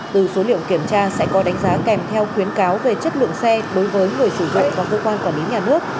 từ số liệu kiểm tra sẽ có đánh giá kèm theo khuyến cáo về chất lượng xe đối với người chủ vệ và cơ quan quản lý nhà nước